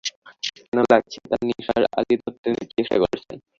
কেন লাগছে, তা নিসার আলি ধরতে চেষ্টা করছেন।